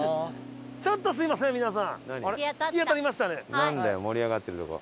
ちょっとすみません皆さん。